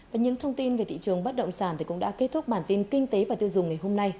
và những thông tin về thị trường bất đồng sản thì cũng đã kết thúc bản tin kinh tế và tiêu diệt